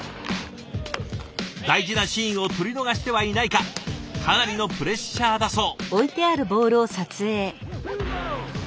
大事なシーンを撮り逃してはいないかかなりのプレッシャーだそう。